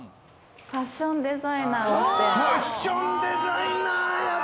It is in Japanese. ファッションデザイナーをしてます。